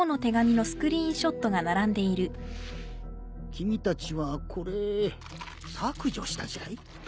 君たちはこれ削除したじゃい？